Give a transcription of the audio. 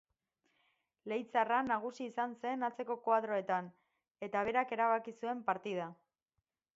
Leitzarra nagusi izan zen atzeko koadroetan eta berak erabaki zuen partida.